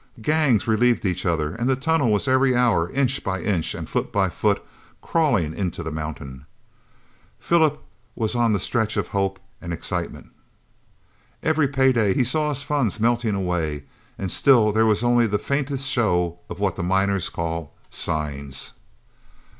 Gangs relieved each other, and the tunnel was every hour, inch by inch and foot by foot, crawling into the mountain. Philip was on the stretch of hope and excitement. Every pay day he saw his funds melting away, and still there was only the faintest show of what the miners call "signs."